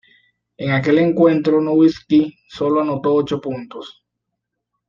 En aquel encuentro, Nowitzki sólo anotó ocho puntos.